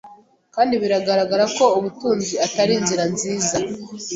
kandi biragaragara ko ubutunzi Atari inzira Nziza